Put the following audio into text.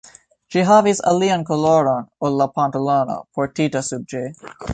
Ĝi havis alian koloron ol la pantalono, portita sub ĝi.